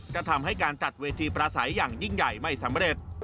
ก็ทำให้การจัดเวทีประสัยอย่างยิ่งใหญ่ไม่สำเร็จ